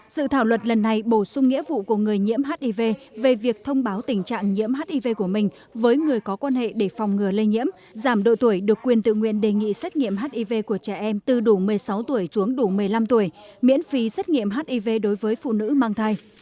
dự thảo luật lần này bổ sung nghĩa vụ của người nhiễm hiv về việc thông báo tình trạng nhiễm hiv của mình với người có quan hệ để phòng ngừa lây nhiễm giảm độ tuổi được quyền tự nguyện đề nghị xét nghiệm hiv của trẻ em từ đủ một mươi sáu tuổi xuống đủ một mươi năm tuổi miễn phí xét nghiệm hiv đối với phụ nữ mang thai